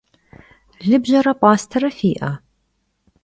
Lıbjere p'astere fi'e?